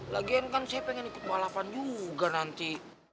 lagian kan saya pengen ikut balapan juga nanti